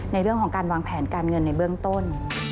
ในเรื่องของการวางแผนการเงินในเบื้องต้น